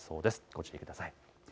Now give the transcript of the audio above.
ご注意ください。